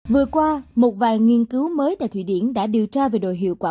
vừa qua một vài nghiên cứu mới tại thụy điển đã điều tra về đội hiệu quả